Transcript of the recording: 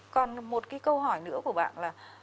còn một cái câu hỏi nữa của bạn là